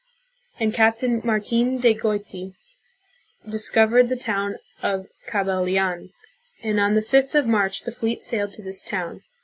127 and Captain Martin de Goiti discovered the town of Cabalian, and on the 5th of March the fleet sailed to this town.